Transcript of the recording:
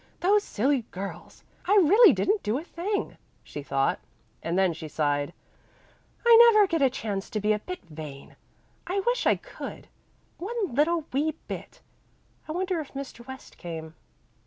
"Those silly girls! I really didn't do a thing," she thought. And then she sighed. "I never get a chance to be a bit vain. I wish I could one little wee bit. I wonder if Mr. West came."